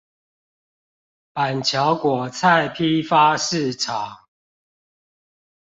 板橋果菜批發市場